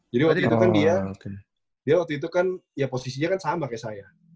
jadi waktu itu kan dia dia waktu itu kan ya posisinya kan sama kayak saya